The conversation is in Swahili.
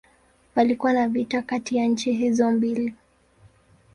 Palikuwa na vita kati ya nchi hizo mbili.